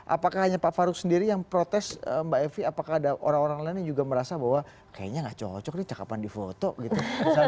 apakah hanya pak faruk sendiri yang protes mbak evi apakah ada orang orang lain yang juga merasa bahwa kayaknya gak cocok nih cakapan di foto gitu